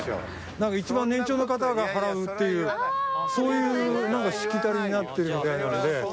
何か一番年長の方が払うっていうそういうしきたりになってるみたいなんで。